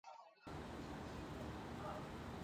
英文版本于同一年在欧洲地区发行。